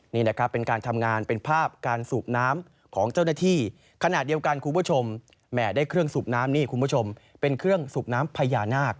นี่นะครับเป็นการทำงานเป็นภาพการสูบน้ำของเจ้าหน้าที่ขณะเดียวกันคุณผู้ชมแหม่ได้เครื่องสูบน้ำนี่คุณผู้ชมเป็นเครื่องสูบน้ำพญานาค